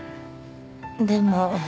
でも。